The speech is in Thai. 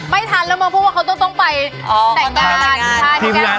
ไม่ทันแล้วมองพูดว่าเขาต้องไปแต่งงาน